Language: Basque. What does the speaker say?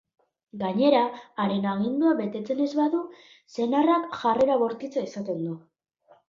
Gainera, haren agindua betetzen ez badu, senarrak jarrera bortitza izaten du.